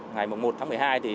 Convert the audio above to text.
ngày một tháng một mươi hai